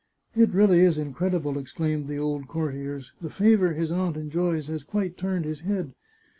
" It really is incredible," exclaimed the old courtiers. " The favour his aunt enjoys has quite turned his head.